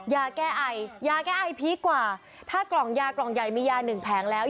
ยาแก้ไอยาแก้ไอพีคกว่าถ้ากล่องยากล่องใหญ่มียาหนึ่งแผงแล้ว